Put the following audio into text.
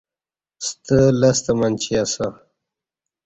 ستہ لستہ منچی اسہ۔